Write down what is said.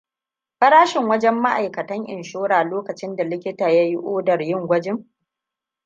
Farashin wajen Ma’aikatan inshora lokacinda likita ya odar yin gwajin.